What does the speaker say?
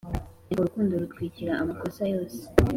ariko urukundo rutwikira amakosa yose